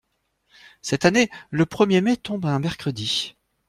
Cette année, le premier mai tombe un mercredi.